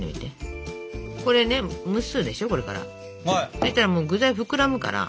そしたら具材膨らむから。